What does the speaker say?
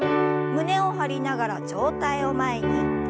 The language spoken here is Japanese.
胸を張りながら上体を前に。